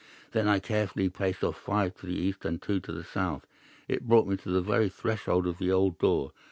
Then I carefully paced off five to the east and two to the south. It brought me to the very threshold of the old door.